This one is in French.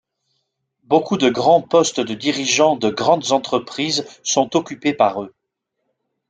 Beaucoup de grands postes de dirigeants de grandes entreprises sont occupés par eux.